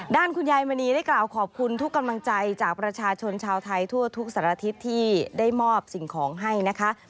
ด้านคุณยายมณีได้กล่าวขอบคุณทุกกำลังใจจากประชาชนชาวไทยทั่วทุกสารทิศที่ได้มอบสิ่งของให้นะคะ